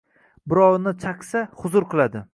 Birovni chaqsa, huzur qiladi.